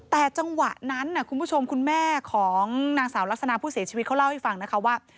แต่จังหวะนั้นคุณผู้ชมคุณแม่ของนางสาวลักษณะผู้เสียชีวิตเขาเล่าให้ฟังนะคะว่า